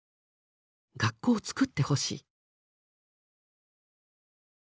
「学校をつくってほしい」。